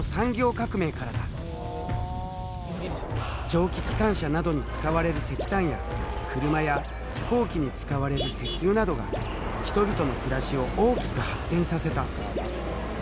蒸気機関車などに使われる石炭や車や飛行機に使われる石油などが人々の暮らしを大きく発展させた。